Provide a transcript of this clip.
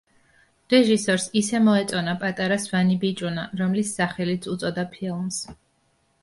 რეჟისორს ისე მოეწონა პატარა სვანი ბიჭუნა, რომლის სახელიც უწოდა ფილმს.